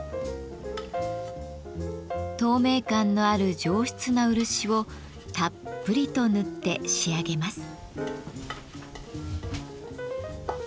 透明感のある上質な漆をたっぷりと塗って仕上げます。